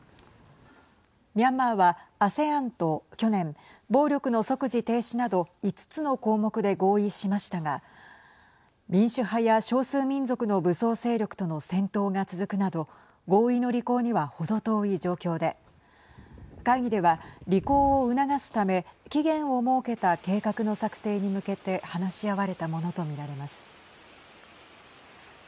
ミャンマーはＡＳＥＡＮと去年暴力の即時停止など５つの項目で合意しましたが民主派や少数民族の武装勢力との戦闘が続くなど合意の履行には程遠い状況で会議では、履行を促すため期限を設けた計画の策定に向けて話し合われたものと見られます。